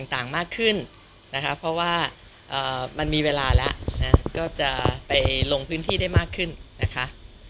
ต่างมากขึ้นนะคะเพราะว่ามันมีเวลาแล้วก็จะไปลงพื้นที่ได้มากขึ้นนะคะ